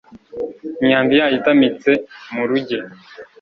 imyambi yayo itamitse mu ruge